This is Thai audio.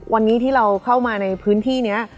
วันนี้ที่เราเข้ามาในพื้นที่นี้